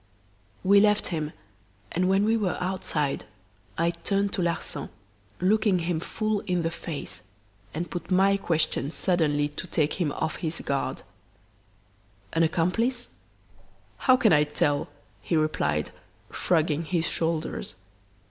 "We left him, and when we were outside I turned to Larsan, looking him full in the face, and put my question suddenly to take him off his guard: "'An accomplice?' "'How can I tell?' he replied, shrugging his shoulders.